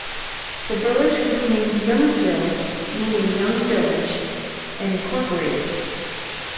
The village was named "Youngsville," meaning young village, and incorporated.